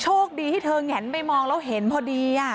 โชคดีที่เธอแงนไปมองแล้วเห็นพอดี